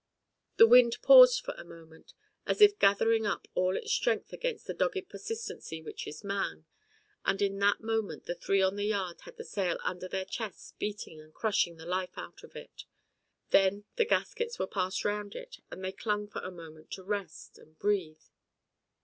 The wind paused for a moment, as if gathering up all its strength against the dogged persistency which is man, and in that moment the three on the yard had the sail under their chests beating and crushing the life out of it. Then the gaskets were passed round it and they clung for a moment to rest and breathe.